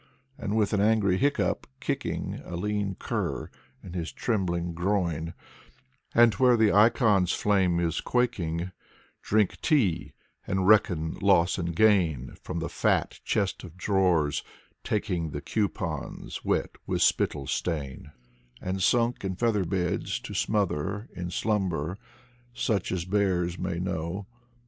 And with an angry hiccup, kicking A lean cur in his trembling groin; And where the icon's flame is quaking Drink tea, and reckon loss and gain. From the fat chest of drawers taking The coupons wet with spittle stain; And sunk in feather beds to smother In slumber, such as bears may know.